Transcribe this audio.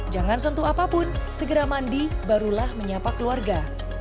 jangan sentuh apapun segera mandi barulah menyapa keluarga